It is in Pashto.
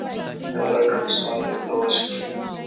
د غاړې په دستمال مې خولې وچې کړې.